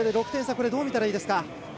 これ、どうみたらいいですか？